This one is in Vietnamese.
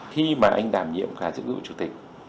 khi mà anh đảm nhiệm khả dựng của chủ tịch